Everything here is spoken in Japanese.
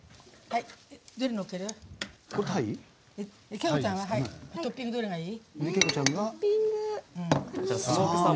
景子ちゃんはトッピングどれがいい？